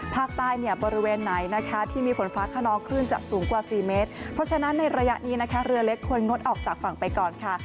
ภาคใต้เนี่ยบริเวณไหนนะคะที่มีฝนฟ้าขนองคลื่นจะสูงกว่าสี่เมตรเพราะฉะนั้นในระยะนี้นะคะเรือเล็กควรงดออกจากฝั่งไปก่อนค่ะ